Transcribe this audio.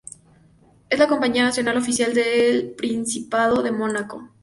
Es la compañía nacional oficial del Principado de Mónaco.